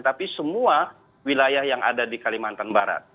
tapi semua wilayah yang ada di kalimantan barat